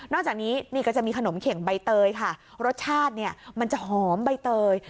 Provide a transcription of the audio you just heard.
จากนี้นี่ก็จะมีขนมเข็งใบเตยค่ะรสชาติเนี่ยมันจะหอมใบเตย